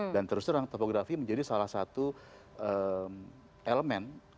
dan terus terang topografi menjadi salah satu elemen